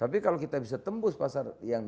tapi kalau kita bisa tembus pasar yang